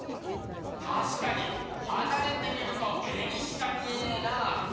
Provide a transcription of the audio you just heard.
たしかにはなれて見ると絵にしか見えねえな。